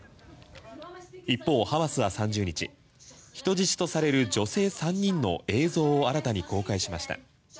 一方、ハマスは３０日人質とされる女性３人の映像を新たに公開しました。